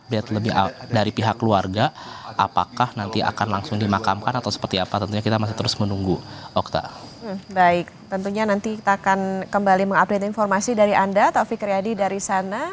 baik tentunya nanti kita akan kembali mengupdate informasi dari anda taufik riyadi dari sana